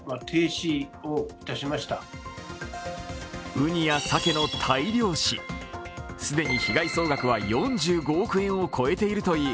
うにやさけの大量死、既に被害総額は４５億円を超えているという。